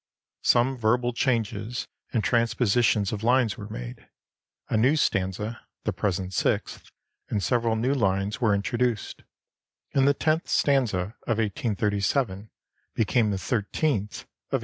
Some verbal changes and transpositions of lines were made; a new stanza (the present sixth) and several new lines were introduced, and the xth stanza of 1837 became the xiiith of 1855.